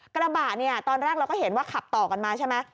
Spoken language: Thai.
กระบะเนี่ยตอนแรกเราก็เห็นว่าขับต่อกันมาใช่ไหม